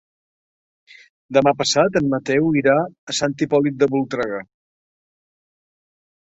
Demà passat en Mateu irà a Sant Hipòlit de Voltregà.